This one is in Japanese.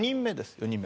４人目